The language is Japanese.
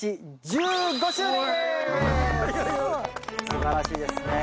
すばらしいですね。